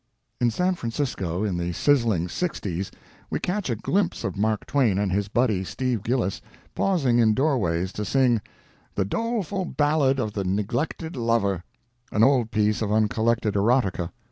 In San Francisco in the sizzling sixties we catch a glimpse of Mark Twain and his buddy, Steve Gillis, pausing in doorways to sing "The Doleful Ballad of the Neglected Lover," an old piece of uncollected erotica.